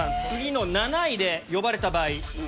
次の７位で呼ばれた場合